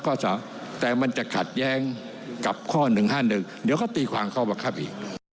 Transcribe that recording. ๓แต่มันจะขัดแย้งกับข้อ๑๕๑เดี๋ยวเขาตีความข้อบังคับอีก